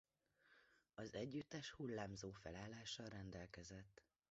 Az együttes hullámzó felállással rendelkezett.